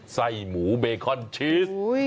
ไส้หมูเบคอนชีส